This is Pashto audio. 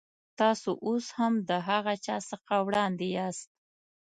تاسو اوس هم د هغه چا څخه وړاندې یاست.